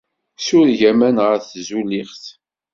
Sureg aman ɣer tzuliɣt.